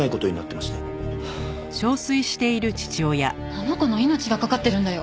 あの子の命が懸かってるんだよ。